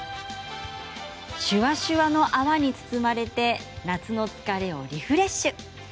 シュワシュワの泡に包まれて夏の疲れをリフレッシュ。